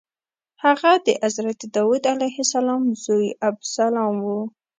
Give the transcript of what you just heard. هغه د حضرت داود علیه السلام زوی ابسلام و.